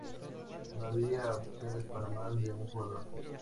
No había opciones para más de un jugador.